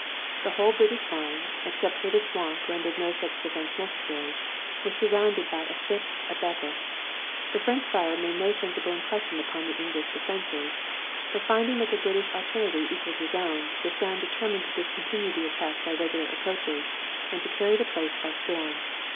The whole British line, except where the swamp rendered no such defense necessary, was surrounded by a thick abattis. The French fire made no sensible impression upon the English defenses, and finding that the British artillery equaled his own, D'Estaing determined to discontinue the attack by regular approaches and to carry the place by storm.